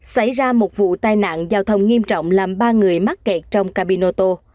xảy ra một vụ tai nạn giao thông nghiêm trọng làm ba người mắc kẹt trong cabin ô tô